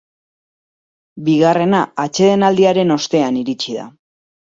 Bigarrena atsedenaldiaren ostean iritsi da.